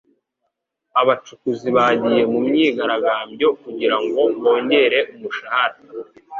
Abacukuzi bagiye mu myigaragambyo kugirango bongere umushahara.